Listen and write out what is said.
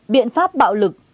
biện pháp bạo lực